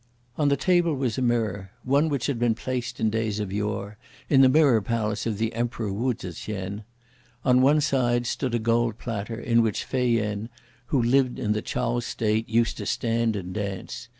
On the table was a mirror, one which had been placed, in days of yore, in the Mirror Palace of the Emperor Wu Tse t'ien. On one side stood a gold platter, in which Fei Yen, who lived in the Ch'ao state, used to stand and dance.